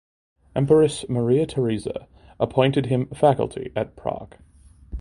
Empress Maria Theresa appointed him faculty at Prague.